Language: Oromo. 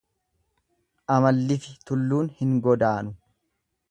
Amallifi tulluun hin godaanu.